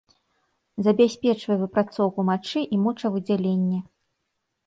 Забяспечвае выпрацоўку мачы і мочавыдзяленне.